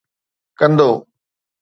ڪندو